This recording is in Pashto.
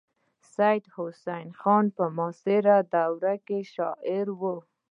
سید حسن خان په معاصره دوره کې شاعر و.